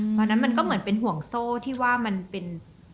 เพราะฉะนั้นมันก็เหมือนเป็นห่วงโซ่ที่ว่ามันเป็น